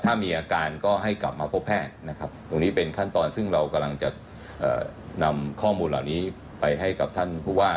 ถ้ามีอาการก็ให้กลับมาพบแพทย์นะครับตรงนี้เป็นขั้นตอนซึ่งเรากำลังจะนำข้อมูลเหล่านี้ไปให้กับท่านผู้ว่า